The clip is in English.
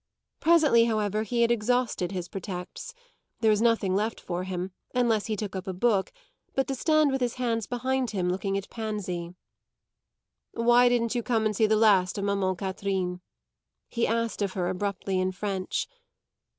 Presently, however, he had exhausted his pretexts; there was nothing left for him unless he took up a book but to stand with his hands behind him looking at Pansy. "Why didn't you come and see the last of mamman Catherine?" he asked of her abruptly in French.